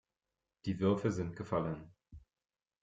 Die Würfel sind gefallen.